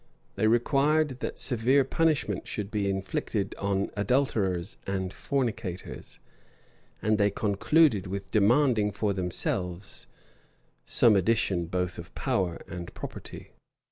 They required, that severe punishment should be inflicted on adulterers and fornicators. And they concluded with demanding for themselves some addition both of power and property.